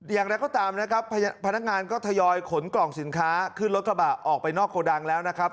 อย่างไรก็ตามนะครับพนักงานก็ทยอยขนกล่องสินค้าขึ้นรถกระบะออกไปนอกโกดังแล้วนะครับ